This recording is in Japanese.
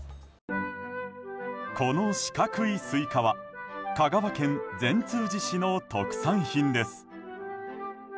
この四角いスイカは香川県善通寺市の特産品です。